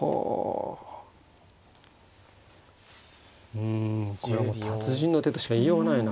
うんこれはもう達人の手としか言いようがないな。